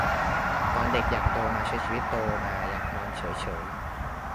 ตอนเด็กอยากโตมาใช้ชีวิต โตมาอยากนอนเฉยเฉย